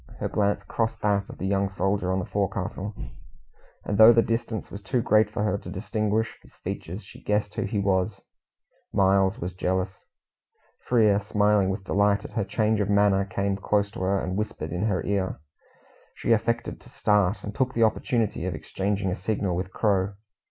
Her glance crossed that of the young soldier on the forecastle, and though the distance was too great for her to distinguish his features, she guessed who he was Miles was jealous. Frere, smiling with delight at her change of manner, came close to her, and whispered in her ear. She affected to start, and took the opportunity of exchanging a signal with the Crow.